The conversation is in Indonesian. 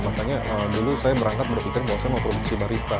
makanya dulu saya berangkat berpikir bahwa saya mau produksi barista